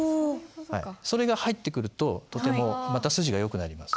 それが入ってくるととてもまた筋がよくなります。